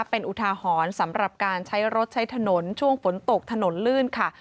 เป็นอุทาหรณ์สำหรับการใช้รถใช้ถนนช่วงฝนตกถนนลื่นค่ะ